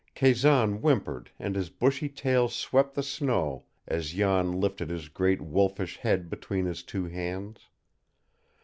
Kazan whimpered and his bushy tail swept the snow as Jan lifted his great wolfish head between his two hands.